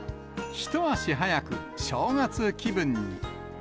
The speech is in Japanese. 一足早く正月気分に。